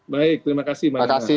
baik terima kasih